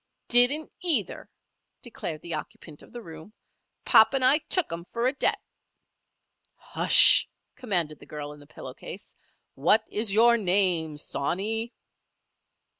"Didn't either!" declared the occupant of the room. "Pop and I took 'em for a debt." "Hush!" commanded the girl in the pillow case. "What is your name, sawney?"